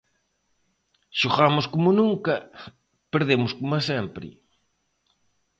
"Xogamos como nunca, perdemos como sempre".